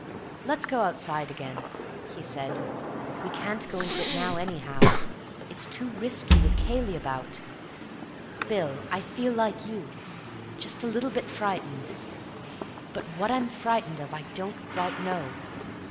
"Let's go outside again," he said. "We can't go into it now, anyhow. It's too risky, with Cayley about. Bill, I feel like you—just a little bit frightened. But what I'm frightened of I don't quite know.